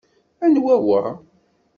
Anwa wa?